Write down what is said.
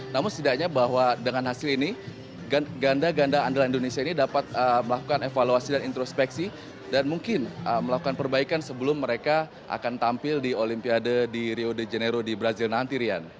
namun setidaknya bahwa dengan hasil ini ganda ganda andalan indonesia ini dapat melakukan evaluasi dan introspeksi dan mungkin melakukan perbaikan sebelum mereka akan tampil di olimpiade di rio de janeiro di brazil nanti rian